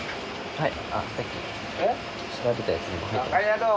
はい。